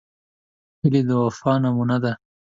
هیلۍ د وفا نمونه ده